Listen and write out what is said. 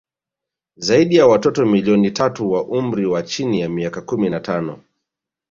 Zaidi ya watoto milioni tatu wa umri wa chini ya miaka kumi na tano